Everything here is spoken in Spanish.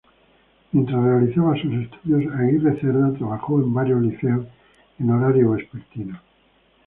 Mientras realizaba sus estudios, Aguirre Cerda trabajó en varios liceos en horario vespertino.